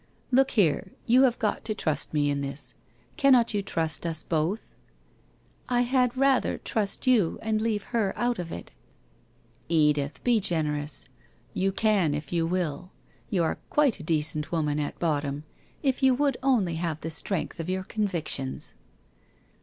' Look here, you have got to trust me in this. Cannot you trust ni l>otl)?' ' I had rather trust you, and leave her out of it.' 224 WHITE ROSE OF WEARY LEAF ' Edith, be generous. You can, if you will. You arc quite a decent woman at bottom, if you would only have the strength of your convictions